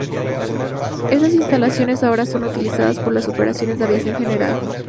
Esas instalaciones ahora son utilizadas por las operaciones de aviación general.